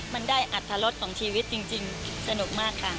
มันได้อัตรรสของชีวิตจริงสนุกมากค่ะ